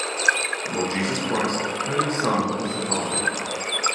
Lord Jesus Christ, only Son of the Father